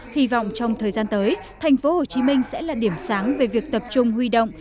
hy vọng trong thời gian tới tp hcm sẽ là điểm sáng về việc tập trung huy động